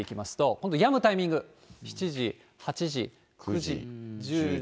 今度やむタイミング、７時、８時、９時、１０時。